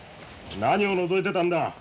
何をのぞいてたんだ？